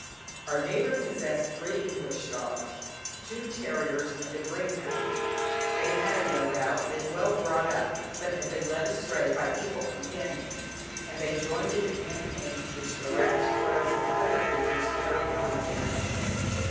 Our neighbour possessed three English dogs, two terriers and a greyhound. They had, no doubt, been well brought up, but had been led astray by evil companions, and they joined in the campaign which the rats, crows, and other creatures carried on against us.